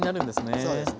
そうですね。